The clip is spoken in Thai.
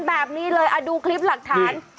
แบบนี้เลยดูคลิปหลักฐาน